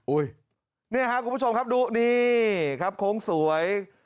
เนี่ยครับคุณผู้ชมครับดูนี่ครับโค้งสวย